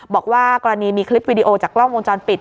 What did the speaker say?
บอกว่ากรณีมีคลิปวิดีโอจากกล้องวงจรปิด